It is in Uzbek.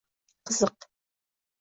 Qiziq.